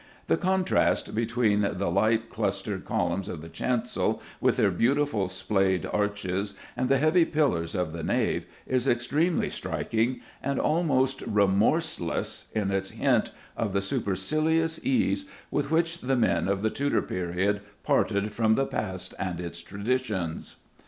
The contrast between the light clustered columns of the chancel, with their beautiful splayed arches, and the heavy pillars of the nave, is extremely striking, and almost remorseless in its hint of the supercilious ease with which the men of the Tudor period parted from the past and its traditions."